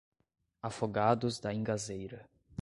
Afogados da Ingazeira